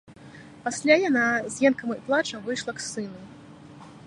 Пасля яна з енкам і плачам выйшла к сыну.